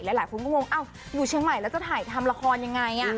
หลายคนก็งงอยู่เชียงใหม่แล้วจะถ่ายทำละครยังไง